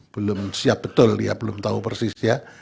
belum siap betul ya belum tahu persis ya